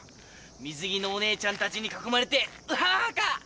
水着のおネエちゃんたちに囲まれてウハウハか？